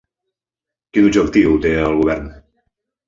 Quin objectiu té el govern?